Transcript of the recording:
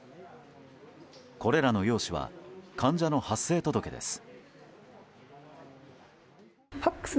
これらの用紙は患者の発生届です。